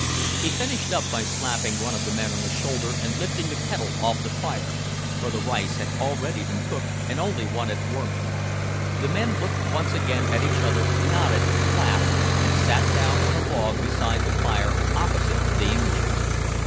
He finished up by slapping one of the men on the shoulder, and lifting the kettle off the fire, for the rice had already been cooked and only wanted warming. The men looked once again at each other, nodded, laughed, and sat down on a log beside the fire, opposite to the Englishmen.